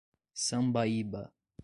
Sambaíba